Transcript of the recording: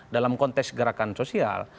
dalam konteks gerakan sosial